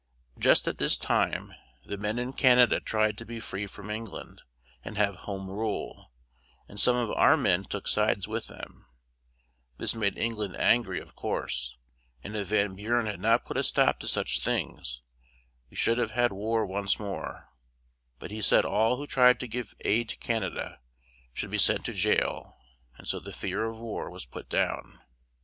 Just at this time the men in Can a da tried to be free from Eng land, and have home rule; and some of our men took sides with them; this made Eng land an gry of course; and if Van Bu ren had not put a stop to such things, we should have had war once more; but he said all who tried to give aid to Can a da should be sent to jail; and so the fear of war was put down.